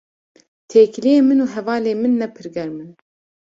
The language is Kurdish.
Têkiliyên min û hevalên min ne pir germ in.